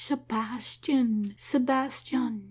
" Sebastian ! Sebastian